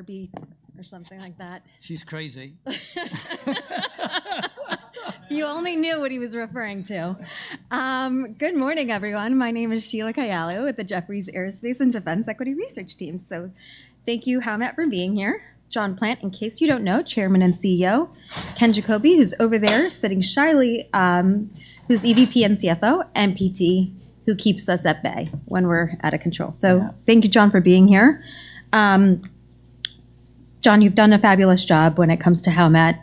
Barbie or something like that. She's crazy. You only knew what he was referring to. Good morning, everyone. My name is Sheila Kayallo with the Jefferies Aerospace and Defense Equity Research Team. So thank you, Haumet, for being here. John Plant, in case you don't know, chairman and CEO. Ken Jacoby, who's over there sitting shyly, who's EVP and CFO and PT who keeps us at bay when we're out of control. So thank you, John, for being here. John, you've done a fabulous job when it comes to Helmet.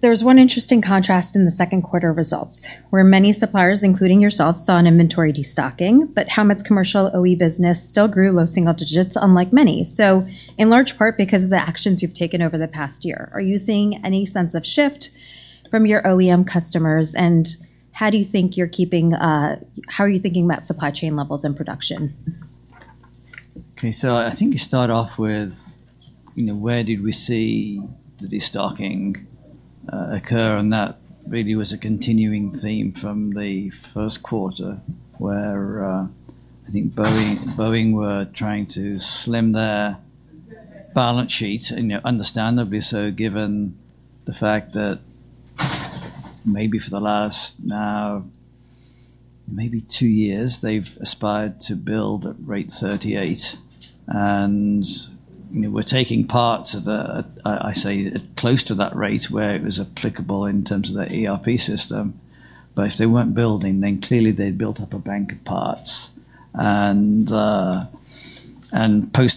There's one interesting contrast in the second quarter results where many suppliers, including yourselves, saw an inventory destocking, but Helmet's commercial OE business still grew low single digits unlike many. So in large part because of the actions you've taken over the past year, are you seeing any sense of shift from your OEM customers? And how do you think you're keeping, how are you thinking about supply chain levels and production? Okay. So I think you start off with where did we see the destocking, occur and that really was a continuing theme from the first quarter where I think Boeing were trying to slim their balance sheet, understandably so given the fact that maybe for the last now, maybe two years, they've aspired to build at rate 38 and we're taking part of the I say close to that rate where it was applicable in terms of the ERP system. But if they weren't building, then clearly they'd built up a bank of parts. Post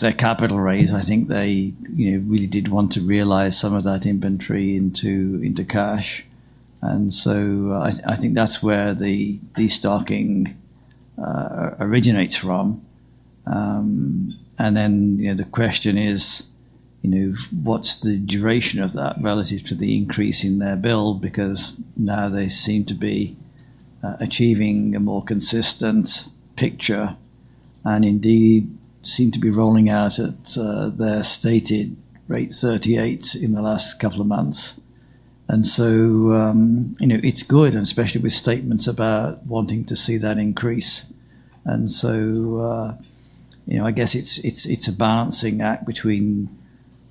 their capital raise, I think they really did want to realize some of that inventory into cash. Think that's where the destocking originates from. Then the question is what's the duration of that relative to the increase in their build because now they seem to be achieving a more consistent picture and indeed seem to be rolling out at their stated rate 38 in the last couple of months. It's good, especially with statements about wanting to see that increase. I guess it's a balancing act between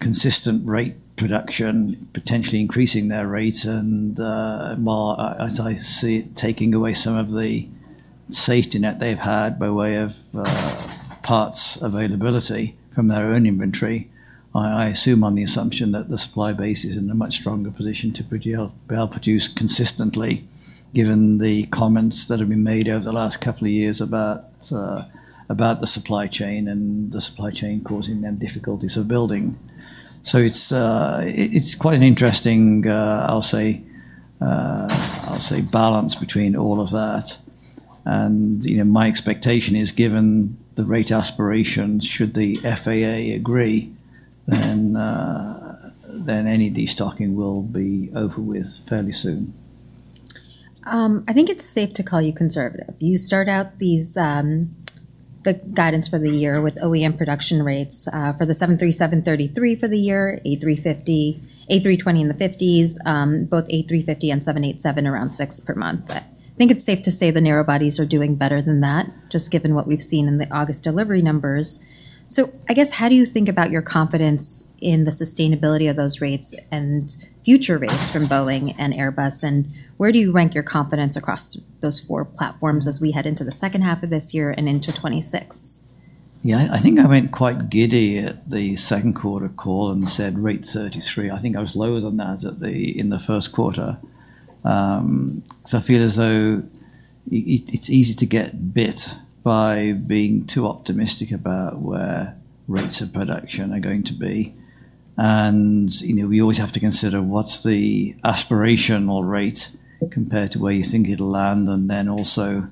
consistent rate production, potentially increasing their rates and more as I see it taking away some of the safety net they've had by way of parts availability from their own inventory, I assume on the assumption that the supply base is in a much stronger position to produce consistently given the comments that have been made over the last couple of years about the supply chain and the supply chain causing them difficulties of building. It's quite an interesting, I'll say, balance between all of that. And my expectation is given the rate aspiration should the FAA agree, any destocking will be over with fairly soon. I think it's safe to call you conservative. You start out these, the guidance for the year with OEM production rates, for the seven thirty seven thirty three for the year, a three fifty a three twenty in the fifties, both a three fifty and seven eighty seven around per month. I think it's safe to say the narrow bodies are doing better than that just given what we've seen in the August delivery numbers. So I guess how do you think about your confidence in the sustainability of those rates and future rates from Boeing and Airbus? And where do you rank your confidence across those four platforms as we head into the second half of this year and into '26? Yes. I think I went quite giddy at the second quarter call and said rate 33. I think I was lower than that in the first quarter. So I feel as though it's easy to get bit by being too optimistic about where rates of production are going to be. And we always have to consider what's the aspirational rate compared to where you think it will land. And then also,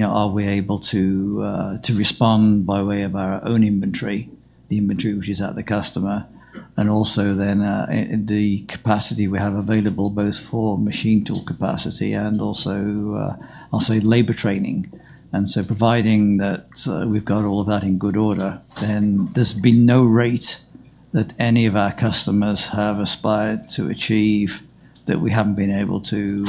are we able to respond by way of our own inventory, the inventory which is at the customer? And also then the capacity we have available both for machine tool capacity and also labor training. And so providing that we've got all of that in good order, then there's been no rate that any of our customers have aspired to achieve that we haven't been able to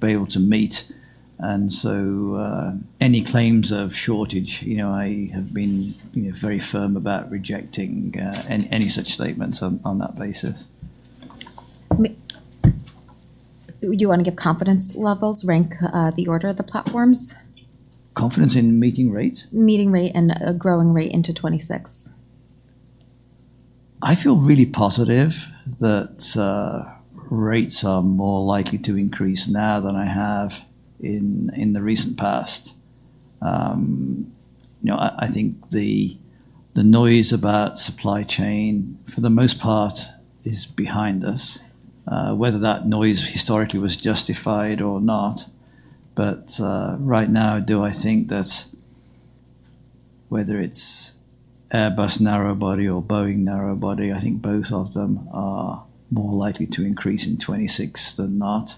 be able to meet. And so, any claims of shortage, I have been very firm about rejecting, any such statements on that basis. Do you want to give confidence levels, rank, the order of the platforms? Confidence in meeting rate? Meeting rate and growing rate into 26. I feel really positive that rates are more likely to increase now than I have in the recent past. I think the noise about supply chain for the most part is behind us, whether that noise historically was justified or not. But right now, do I think that whether it's Airbus narrow body or Boeing narrow body, I think both of them are more likely to increase in '26 than not.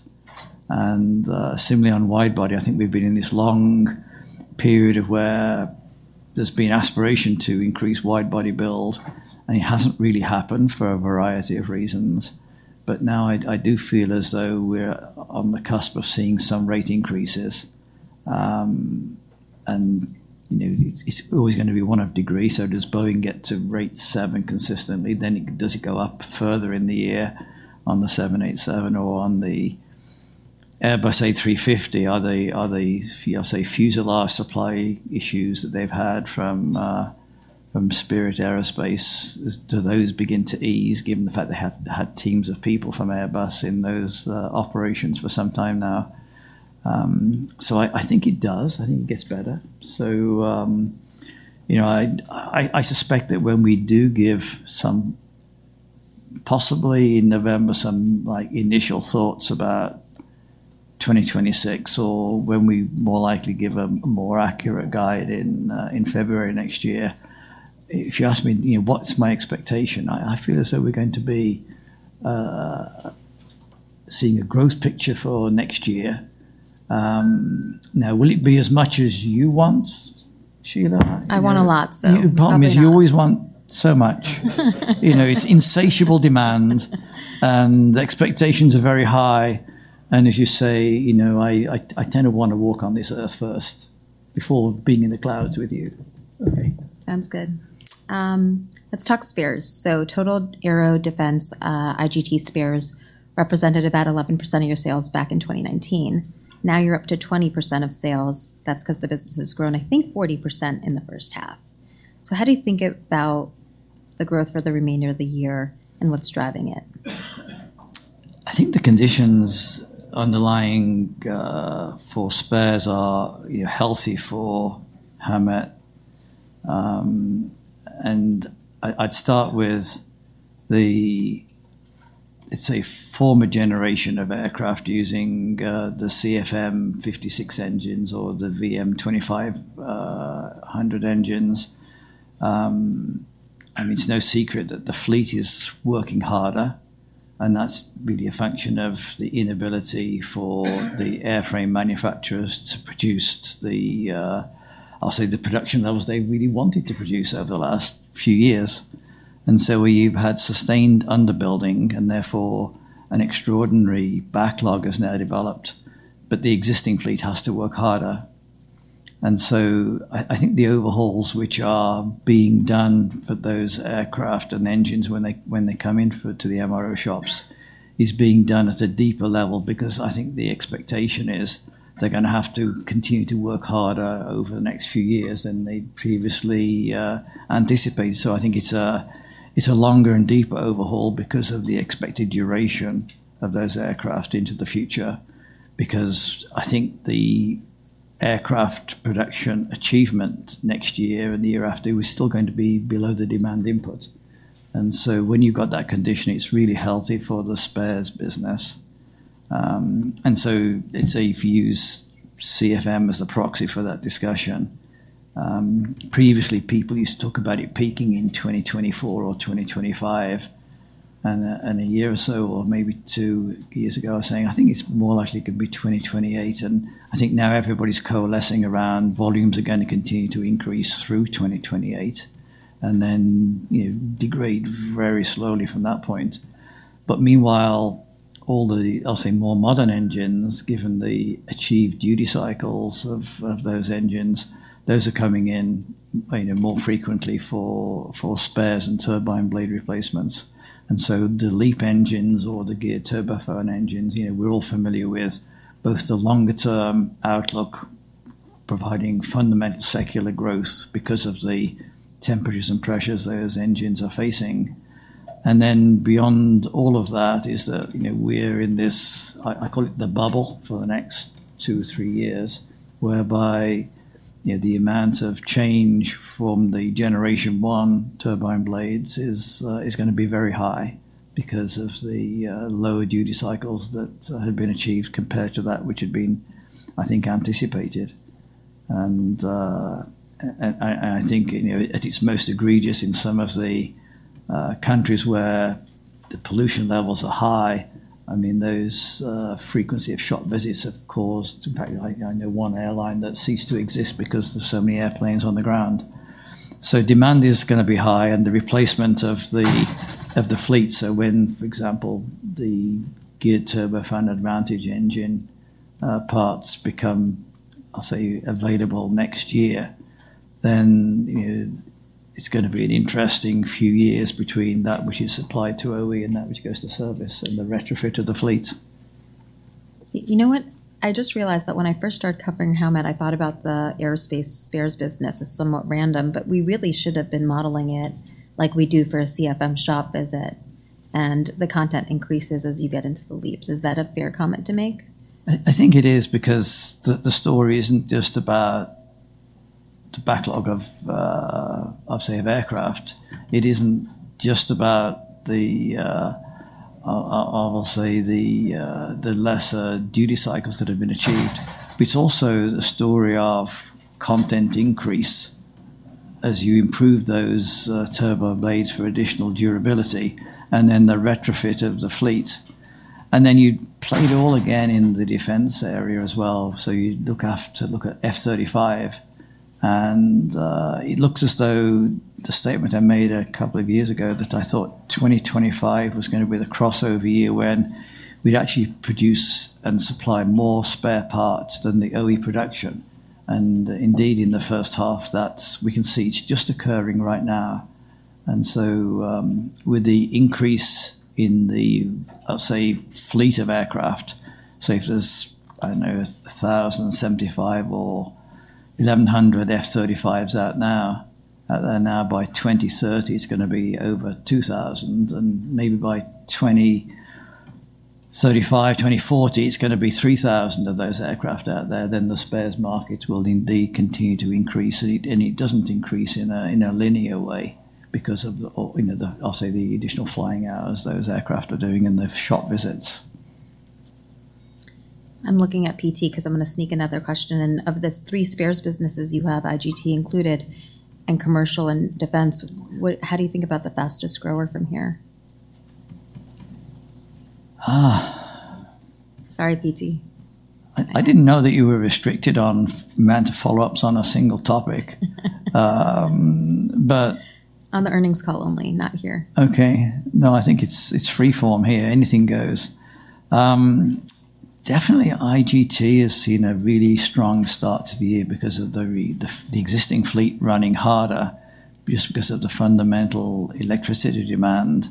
Similarly on wide body, think we've been in this long period of where there's been aspiration to increase wide body build and it hasn't really happened for a variety of reasons, But now I do feel as though we're on the cusp of seeing some rate increases. It's always going to be one off degree, so does Boeing get to rate seven consistently, then does it go up further in the year on the seven eighty seven or on the Airbus A350? Are they, say, fuselage supply issues that they've had from Spirit Aerospace, do those begin to ease given the fact they had had teams of people from Airbus in those operations for some time now. So I I think it does. I think it gets better. So, you know, I I suspect that when we do give some possibly in November, some initial thoughts about 2026 or when we more likely give a more accurate guide in February next year, If you ask me, you know, what's my expectation? I I feel as though we're going to be seeing a growth picture for next year. Now will it be as much as you want, Sheila? I want a lot, so The problem is you always want so much. It's insatiable demand and expectations are very high. As you say, I tend to want to walk on this earth first before being in the clouds with you. Okay. Sounds good. Let's talk spheres. So total aero defense, IGT spheres represented about 11% of your sales back in 2019. Now you're up to 20% of sales. That's because the business has grown, I think, 40% in the first half. So how do you think about the growth for the remainder of the year and what's driving it? I think the conditions underlying for spares are healthy for HAMET. I'd start with the, let's say, generation of aircraft using the CFM56 engines or the VM2500 engines. It's no secret that the fleet is working harder and that's really a function of the inability for the airframe manufacturers to produce the I'll say the production levels they really wanted to produce over the last few years. And so we've had sustained underbuilding and therefore an extraordinary backlog has now developed, but the existing fleet has to work harder. And so I think the overhauls which are being done for those aircraft and engines when come in to the MRO shops is being done at a deeper level because I think the expectation is they're going to have to continue to work harder over the next few years than they previously anticipated. I think it's a longer and deeper overhaul because of the expected duration of those aircraft into the future because I think the aircraft production achievement next year and the year after, we're still going to be below the demand input. When you've got that condition, it's really healthy for the spares business. If you use CFM as a proxy for that discussion, previously people used to talk about it peaking in 2024 or 2025 and a year or so or maybe two years ago saying, I think it's more likely could be 2028. And I think now everybody is coalescing around volumes are going to continue to increase through 2028 and then degrade very slowly from that point. But meanwhile, all the, I'll say, more modern engines, given the achieved duty cycles of those engines, those are coming in more frequently for spares and turbine blade replacements. So the LEAP engines or the Geared Turbofan engines, we're all familiar with both the longer term outlook providing fundamental secular growth because of the temperatures and pressures those engines are facing. And then beyond all of that is that we're in this, call it the bubble for the next two or three years whereby the amount of change from the generation one turbine blades is going to be very high because of the lower duty cycles that had been achieved compared to that which had been I think, anticipated. I think at its most egregious in some of the countries where the pollution levels are high, those frequency of shop visits have caused one airline that ceased to exist because there's so many airplanes on the ground. Demand is going to be high and the replacement of the fleet, when, for example, the geared turbofan advantage engine, parts become, I'll say, available next year, then it's gonna be an interesting few years between that which is supplied to OE and that which goes to service and the retrofit of the fleet. You know what? I just realized that when I first started covering Helmet, I thought about the aerospace spares business as somewhat random, but we really should have been modeling it like we do for a CFM shop visit, and the content increases as you get into the leaps. Is that a fair comment to make? I think it is because the story isn't just about the backlog of, say, of aircraft. It isn't just about I the, will say, lesser duty cycles that have been achieved. It's also the story of content increase as you improve those turbo blades for additional durability and then the retrofit of the fleet. Then you'd play it all again in the defense area as well, so you'd look after look at f 35. It looks as though the statement I made a couple of years ago that I thought 2025 was going to be the crossover year when we'd actually produce and supply more spare parts than the OE production. Indeed in the first half, that's we can see it's just occurring right now. And so with the increase in the, I'll say, fleet of aircraft, say if there's, I don't know, a 75 or 1,100 f 30 fives out now, they're now by 2,000 and by 2,035, two and forty it's gonna be 3,000 of those aircraft out there, then the spares market will indeed continue to increase and it doesn't increase in linear way because of additional flying hours those aircraft are doing in the shop visits. I'm looking at PT because I'm gonna sneak another question in. Of these three spares businesses you have, IGT included, in commercial and defense, what how do you think about the fastest grower from here? Sorry, PT. I I didn't know that you were restricted on man to follow ups on a single topic. But On the earnings call only, not here. Okay. No. I think it's it's free form here. Anything goes. Definitely, IGT has seen a really strong start to the year because of the the existing fleet running harder just because of the fundamental electricity demand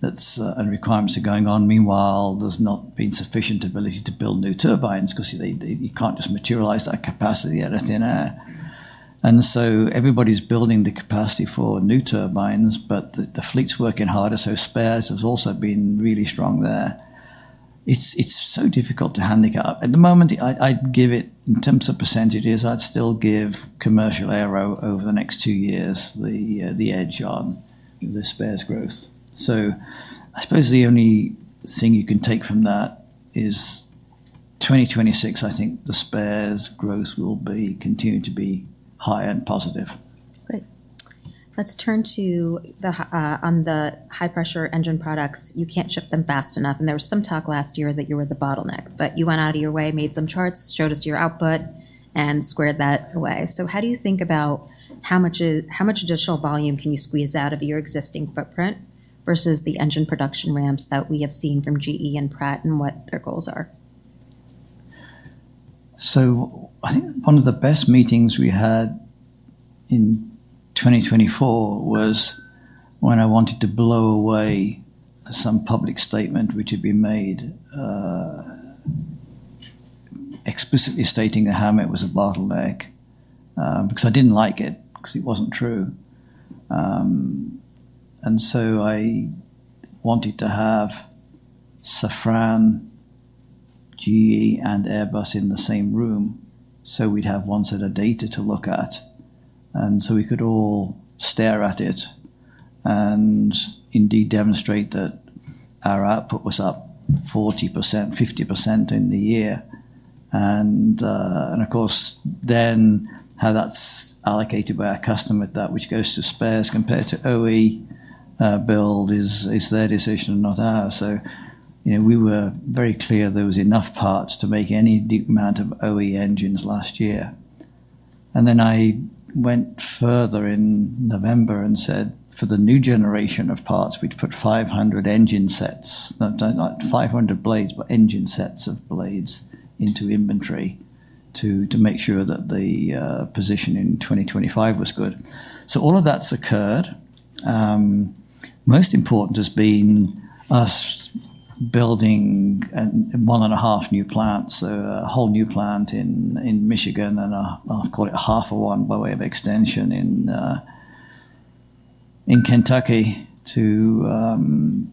that's and requirements are going on. Meanwhile, there's not been sufficient ability to build new turbines because they they you can't just materialize that capacity out of thin air. So everybody's building the capacity for new turbines, but the fleet's working harder, so spares have also been really strong there. It's so difficult to handicap. At the moment, I'd give it in terms of percentages, I'd still give commercial aero over the next two years the edge on the spares growth. So I suppose the only thing you can take from that is 2026, I think the spares growth will be continued to be high and positive. Great. Let's turn to the, on the high pressure engine products. You can't ship them fast enough, and there was some talk last year that you were the bottleneck. But you went out of your way, made some charts, showed us your output, and squared that away. So how do you think about how much how much additional volume can you squeeze out of your existing footprint versus the engine production ramps that we have seen from GE and Pratt and what their goals are? So I think one of the best meetings we had in 2024 was when I wanted to blow away some public statement which had been made explicitly stating that Hamet was a bottleneck because I didn't like it because it wasn't true. I wanted to have Safran, GE, and Airbus in the same room so we'd have one set of data to look at. We could all stare at it and indeed demonstrate that our output was up 40%, 50% in the year. And of course, then how that's allocated by our customer that which goes to spares compared to OE build is their decision and not ours. We were very clear there was enough parts to make any deep amount of OE engines last year. And then I went further in November and said for the new generation of parts, we'd put 500 engine sets, not 500 blades, but engine sets of blades into inventory to to make sure that the position in 2025 was good. So all of that's occurred. Most important has been us building one and a half new plants, a whole new plant in Michigan and I'll call it half of one by way of extension in Kentucky to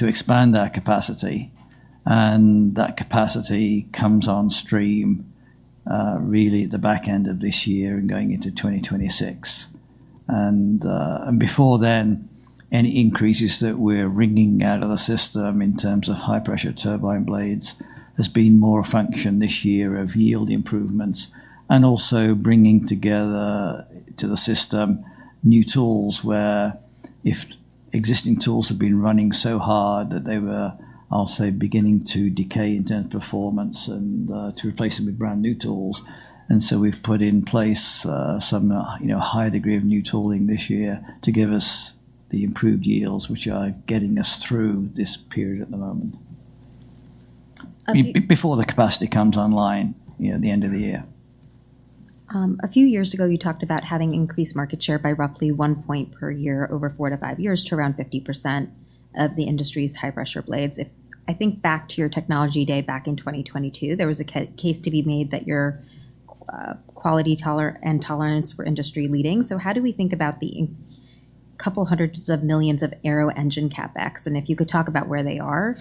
expand our capacity. And that capacity comes on stream really at the back end of this year and going into 2026. And before then, any increases that we're wringing out of the system in terms of high pressure turbine blades has been more a function this year of yield improvements and also bringing together to the system new tools where if existing tools have been running so hard that they were, I'll say, beginning to decay in terms of performance and to replace them with brand new tools. And so we've put in place some higher degree of new tooling this year to give us the improved yields, which are getting us through this period at the moment before the capacity comes online at the end of the year. A few years ago, you talked about having increased market share by roughly one point per year over four to five years to around 50% of the industry's high pressure blades. If I think back to your technology day back in 2022, there was a case to be made that your quality and tolerance were industry leading. So how do we think about the couple hundreds of millions of aero engine CapEx? And if you could talk about where they are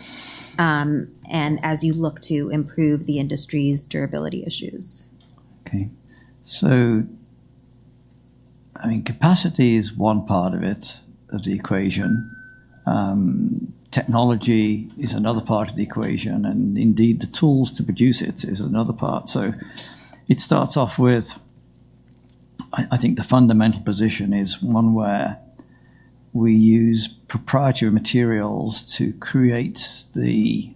and as you look to improve the industry's durability issues. Okay. I mean, capacity is one part of it of the equation. Technology is another part of the equation and indeed the tools to produce it is another part. So It starts off with think the fundamental position is one where we use proprietary materials to create the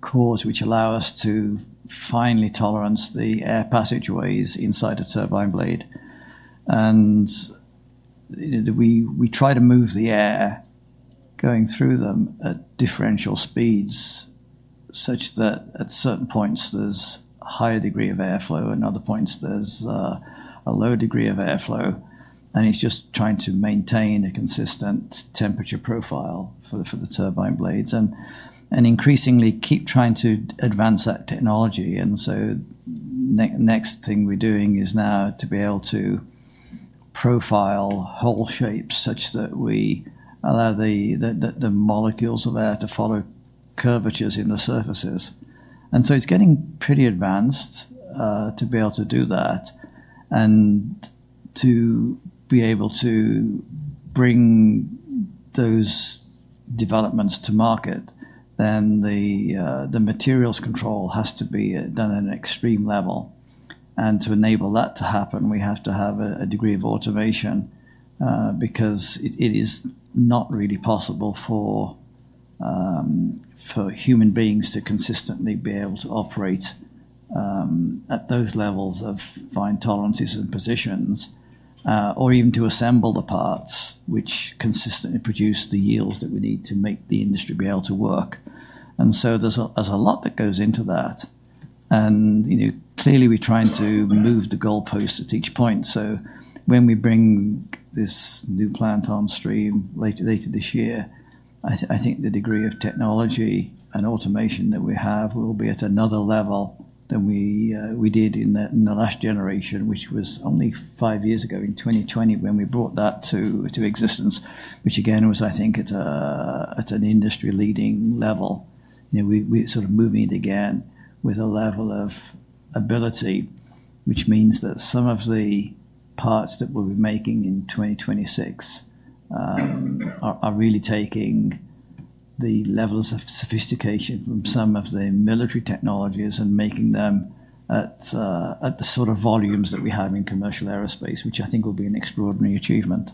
cores which allow us to finely tolerance the air passageways inside a turbine blade. We try to move the air going through them at differential speeds such that at certain points there's a higher degree of airflow and other points there's a low degree of airflow. And it's just trying to maintain a consistent temperature profile for the turbine blades and increasingly keep trying to advance that technology. So next thing we're doing is now to be able to profile whole shapes such that we allow the molecules of air to follow curvatures in the surfaces. And so it's getting pretty advanced to be able to do that and to be able to bring those developments to market, then the materials control has to be done at an extreme level. And to enable that to happen, we have to have a degree of automation because it is not really possible for human beings to consistently be able to operate at those levels of fine tolerances and positions or even to assemble the parts which consistently produce the yields that we need to make the industry be able to work. And so there's a lot that goes into that. And clearly, we're trying to move the goalpost at each point. So when we bring this new plant on stream later this year, I think the degree of technology and automation that we have will be at another level than we did in the last generation, generation, which was only five years ago in 2020 when we brought that to existence, which again was I think at an industry leading level. We're sort of moving it again with a level of ability, which means that some of the parts that we'll be making in 2026 really taking the levels of sophistication from some of the military technologies and making them at, at the sort of volumes that we have in commercial aerospace, which I think will be an extraordinary achievement.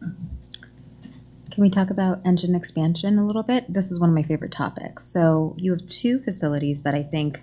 Can we talk about engine expansion a little bit? This is one of my favorite topics. So you have two facilities that I think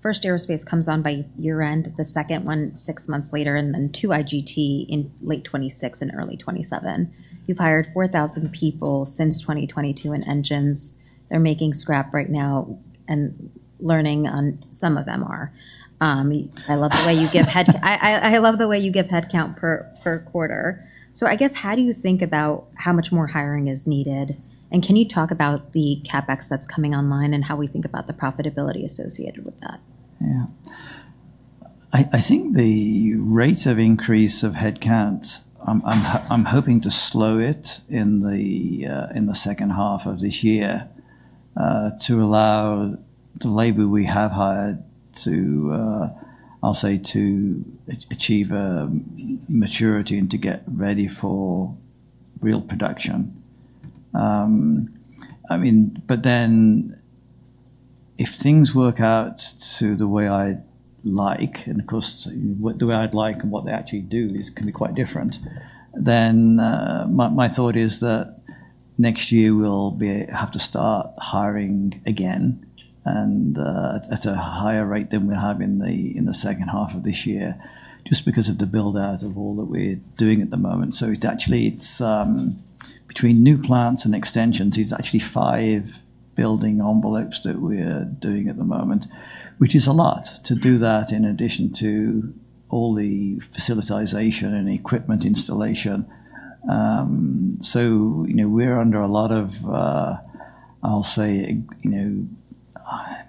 first, aerospace comes on by year end, the second one, six months later, and then to IGT in late twenty six and early twenty seven. You've hired 4,000 people since 2022 in engines. They're making scrap right now and learning on some of them are. I love the way you give head I I I love the way you give headcount per per quarter. So I guess how do you think about how much more hiring is needed? And can you talk about the CapEx that's coming online and how we think about the profitability associated with that? Yes. I think the rates of increase of headcount, I'm hoping to slow it in the second half of this year to allow the labor we have hired to, I'll say, to achieve maturity and to get ready for real production. I mean but then if things work out to the way I like, and of course, what the way I'd like and what they actually do is gonna be quite different, then my my thought is that next year, we'll be have to start hiring again and at a higher rate than we have in second half of this year just because of the build out of all that we're doing at the moment. So it actually it's between new plants and extensions. It's actually five building envelopes that we're doing at the moment, which is a lot to do that in addition to all the facilitation and equipment installation. So, you know, we're under a lot of, I'll say, you know,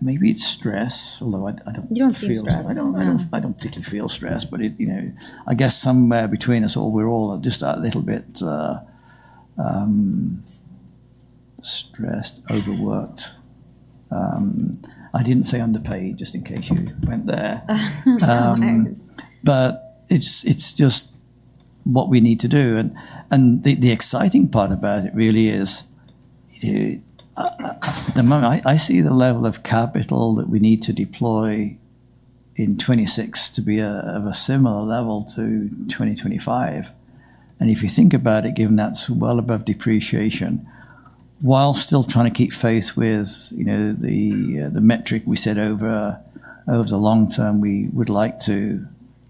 maybe it's stress, although I I don't You don't feel stressed. I don't I don't I don't particularly feel stressed, but it you know, I guess somewhere between us or we're all just a little bit stressed, overworked. I didn't say underpaid just in case you went there. No worries. But it's it's just what we need to do, and and the the exciting part about it really is among I I see the level of capital that we need to deploy in '26 to be a a similar level to 2025. And if you think about it, given that's well above depreciation, while still trying to keep face with the metric we said over the long term, we would like to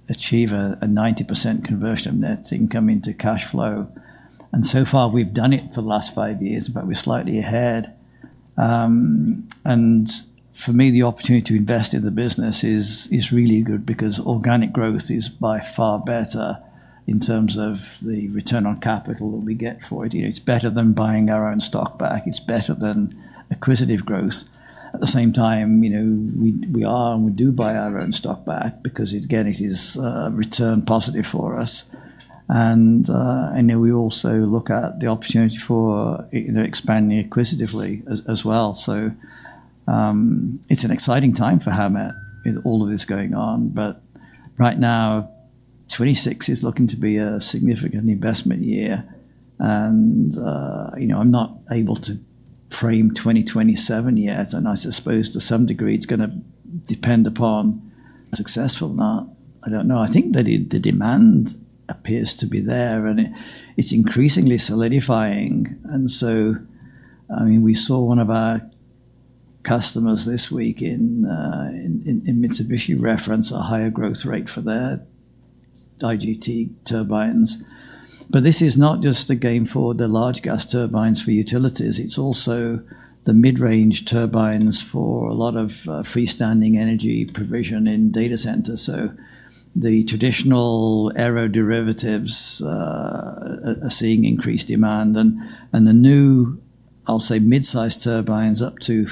achieve a 90% conversion of net income into cash flow. And so far, we've done it for the last five years, but we're slightly ahead. And for me, the opportunity to invest in the business is really good because organic growth is by far better in terms of the return on capital that we get for it. It's better than buying our own stock back. It's better than acquisitive growth. At the same time, we are and we do buy our own stock back because, again, it is return positive for us. And then we also look at the opportunity for expanding acquisitively as as well. So it's an exciting time for Hamet with all of this going on. But right now, '26 is looking to be a significant investment year, and, you know, I'm not able to frame 2027 yet. And I suppose to some degree it's gonna depend upon successful or not. I don't know. I think that the demand appears to be there and it's increasingly solidifying. We saw one of our customers this week in Mitsubishi reference a higher growth rate for their IGT turbines. But this is not just a game for the large gas turbines for utilities. It's also the mid range turbines for a lot of freestanding energy provision in data centers. The traditional aero derivatives seeing increased demand and the new, I'll say, mid sized turbines up to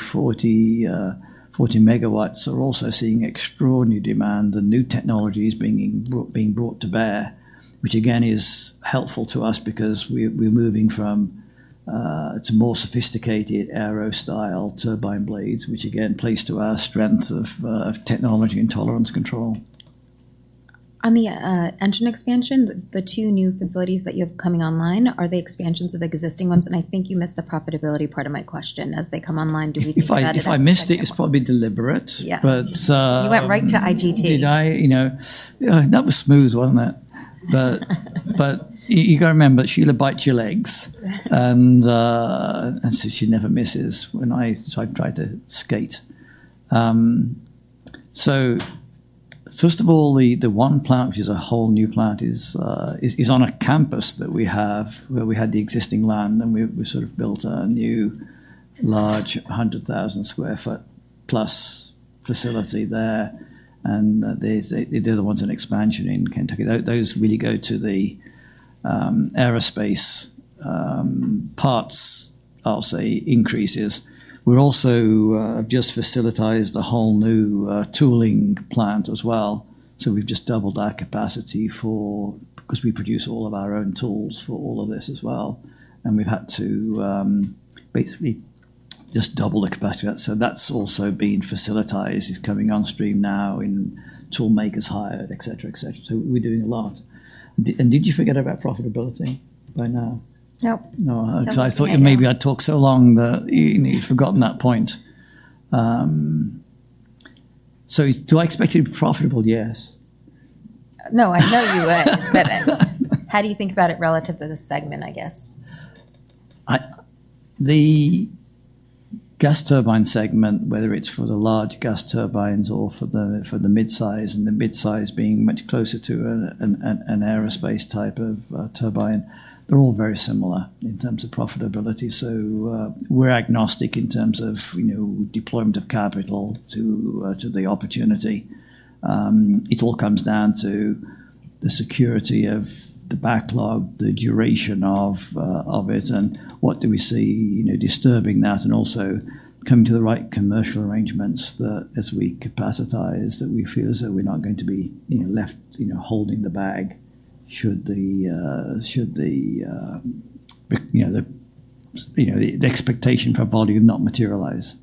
40 megawatts are also seeing extraordinary demand and new technologies being brought to bear, which again is helpful to us because we're moving from to more sophisticated aero style turbine blades, which again plays to our strength of technology and tolerance control. On the engine expansion, the two new facilities that you have coming online, are they expansions of existing ones? And I think you missed the profitability part of my question. As they come online, do we If I missed it, it's probably deliberate. Yeah. But You went right to IGT. Did I? You know? Yeah. That was smooth, wasn't it? But but you you gotta remember, Sheila bites your legs so she never misses when I tried tried to skate. So first of all, the the one plant, which is a whole new plant, is is is on a campus that we have where we had the existing land and we we sort of built a new large 100,000 square foot plus facility there. And they they they want an expansion in Kentucky. Those really go to the aerospace parts, I'll say, increases. We also just facilitated a whole new tooling plant as well. So we've just doubled our capacity for because we produce all of our own tools for all of this as well, and we've had to basically just double the capacity. So that's also been facilitated. It's coming on stream now in toolmakers hired, etcetera, etcetera. So we're doing a lot. And did you forget about profitability by now? Nope. No. So I thought maybe I talked so long that you you forgotten that point. So do I expect you to be profitable? Yes. No. I know you would. But how do you think about it relative to the segment, I guess? The gas turbine segment, whether it's for the large gas turbines or for the midsize and the midsize being much closer to an aerospace type of turbine, they're all very similar in terms of profitability. We're agnostic in terms of deployment of capital to the opportunity. It all comes down to the security of the backlog, the duration of it and what do we see disturbing that and also come to the right commercial arrangements that as we capacitize that we feel as though we're not going to be left holding the bag should the expectation for volume not materialize.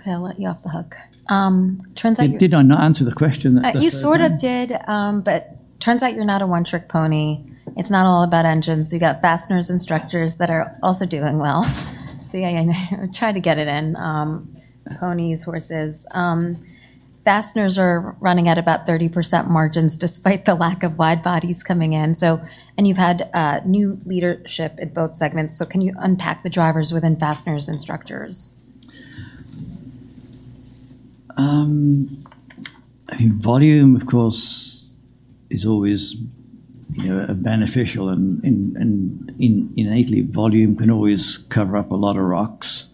Okay. I'll let you off the hook. Out you Did I not answer the question that You sort of did, but turns out you're not a one trick pony. It's not all about engines. You got fasteners and structures that are also doing well. See, I know. I tried to get it in, ponies, horses. Fasteners are running at about 30% margins despite the lack of wide bodies coming in. So and you've had, new leadership in both segments. So can you unpack the drivers within fasteners and structures? I think volume, of course, is always beneficial and innately volume can always cover up a lot of rocks.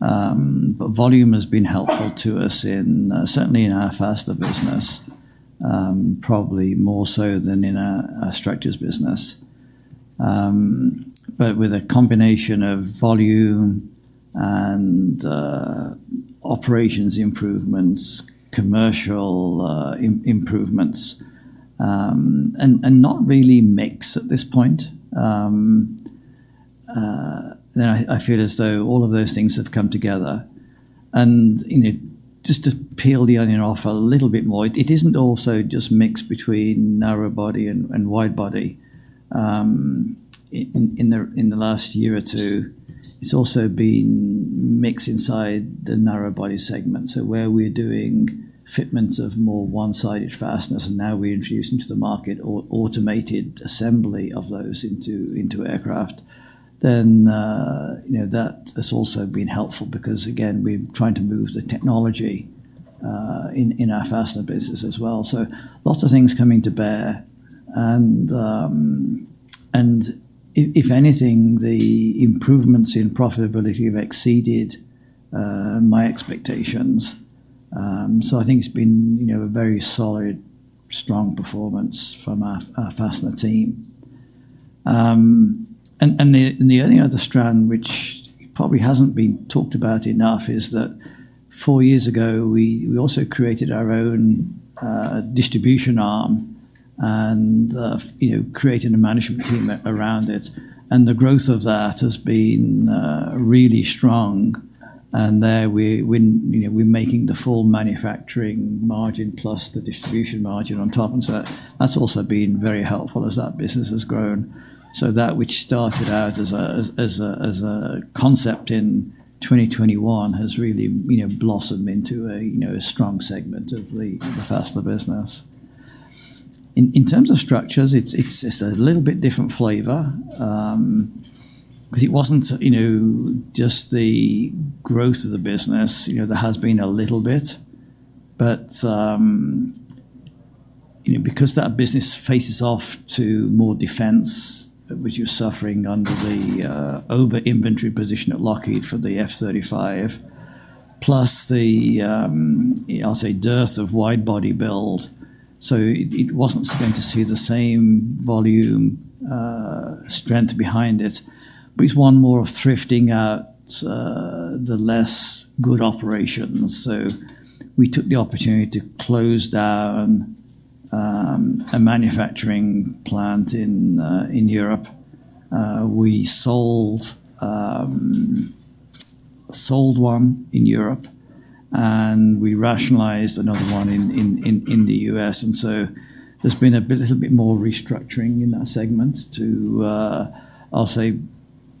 But volume has been helpful to us in certainly in our faster business, probably more so than in our structures business. But with a combination of volume and operations improvements, commercial improvements not really mix at this point, then I feel as though all of those things have come together. Just to peel the onion off a little bit more, it isn't also just mix between narrow body and wide body. In the last year or two, it's also been mixed inside the narrow body segments. So where we're doing fitments of more one-sided fasteners and now we're introducing to the market automated assembly of those into aircraft, then that has also been helpful because, again, we're trying to move the technology in our fastener business as well. So lots of things coming to bear. If anything, the improvements in profitability have exceeded my expectations. I think it's been a very solid, strong performance from our fastener team. The only other strand which probably hasn't been talked about enough is that four years ago, we also created our own distribution arm and created a management team around it. And the growth of that has been really strong. And there, we're making the full manufacturing margin plus the distribution margin on top. And so that's also been very helpful as that business has grown. So that which started out as a concept in 2021 has really blossomed into a strong segment of the Faster business. Terms of structures, it's a little bit different flavor because it wasn't just the growth of the business. There has been a little bit. But because that business faces off to more defense, which you're suffering under the over inventory position at Lockheed for the F-thirty five, plus the, I'll say, dearth of wide body build. So it wasn't going to see the same volume strength behind it, but it's one more of thrifting out the less good operations. So we took the opportunity to close down a manufacturing plant in Europe. We sold one in Europe and we rationalized another one in The U. S. And so there's been a little bit more restructuring in our segments to, I'll say,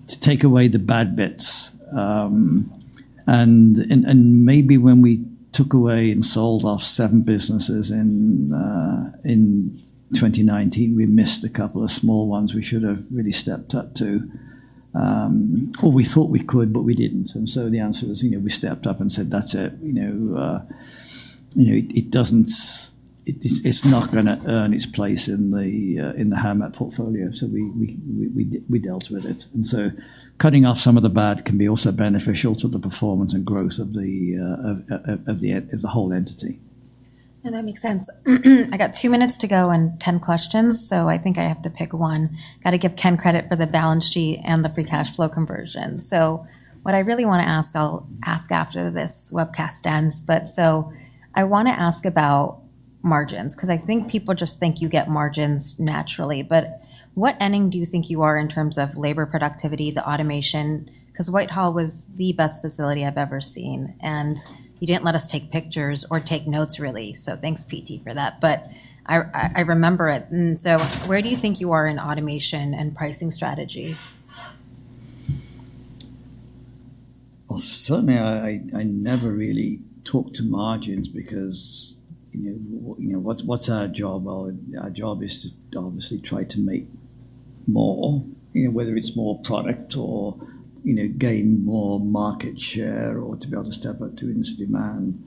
to take away the bad bits. Maybe when we took away and sold off seven businesses in 2019, we missed a couple of small ones we should have really stepped up to. Or we thought we could, but we didn't. And so the answer was we stepped up and said, that's it. It doesn't it's not going to earn its place in the Hammett portfolio, so we dealt with it. And so cutting off some of the bad can be also beneficial to the performance and growth of the the of the whole entity. And that makes sense. I got two minutes to go and 10 questions. So I think I have to pick one. Gotta give Ken credit for the balance sheet and the free cash flow conversion. So what I really wanna ask, I'll ask after this webcast ends. But so I wanna ask about margins because I think people just think you get margins naturally. But what inning do you think you are in terms of labor productivity, the automation? Because Whitehall was the best facility I've ever seen, and you didn't let us take pictures or take notes really. So thanks, PT, for that. But I I I remember it. So where do you think you are in automation and pricing strategy? Well, certainly, I I I never really talk to margins because, what's our job? Our job is to obviously try to make more, whether it's more product or gain more market share or to be able to step up to instant demand.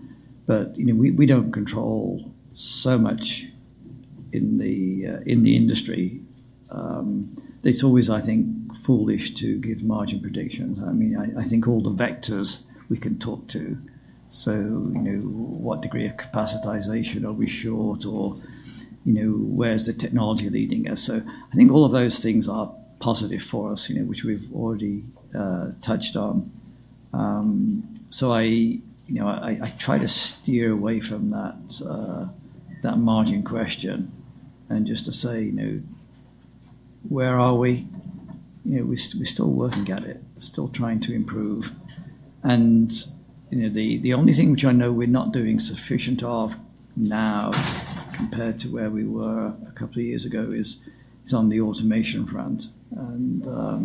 But we don't control so much in the industry. It's always, I think, foolish to give margin predictions. I think all the vectors we can talk to. What degree of capacitization are we short or where's the technology leading us? Think all of those things are positive for us, which we've already touched on. Try to steer away from that margin question and just to say, where are we? We're still working at it, still trying to improve. And the only thing which I know we're not doing sufficient of now compared to where we were a couple of years ago is on the automation front. While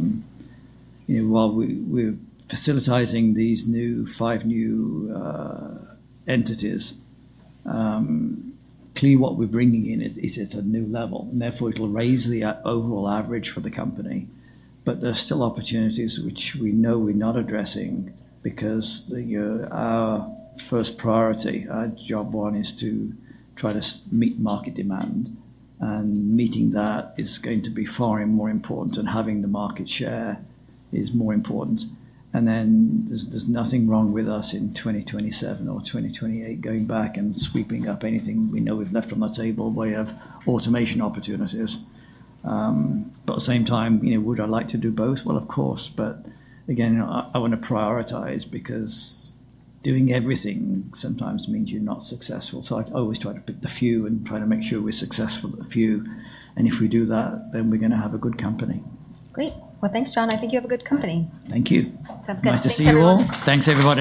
we're facilitating these five new entities, clearly what we're bringing in is at a new level. Therefore, it will raise the overall average for the company, but there are still opportunities which we know we're not addressing because our first priority, job one is to try to meet market demand. And meeting that is going to be far and more important than having the market share is more important. And then there's there's nothing wrong with us in 2027 or 2028 going back and sweeping up anything we know we've left on the table by of automation opportunities. But at the same time, you know, would I like to do both? Well, of course. But, again, I wanna prioritize because doing everything sometimes means you're not successful. I always try to pick the few and try to make sure we're successful with a few. And if we do that, then we're gonna have a good company. Great. Well, thanks, John. I think you have a good company. Thank you. Sounds good. Nice to see you all. Thanks, everybody.